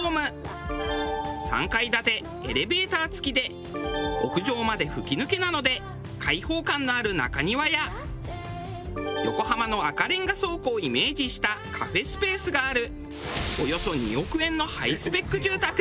３階建てエレベーター付きで屋上まで吹き抜けなので開放感のある中庭や横浜の赤レンガ倉庫をイメージしたカフェスペースがある。